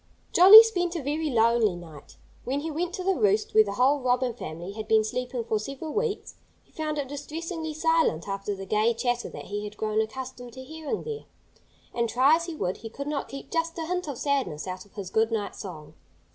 Jolly spent a very lonely night. When he went to the roost where the whole Robin family had been sleeping for several weeks, he found it distressingly silent, after the gay chatter that he had grown accustomed to hearing there. And try as he would, he could not keep just a hint of sadness out of his good night song.